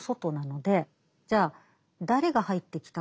じゃあ誰が入ってきたか。